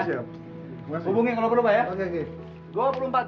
hubungi kalau perlu pak ya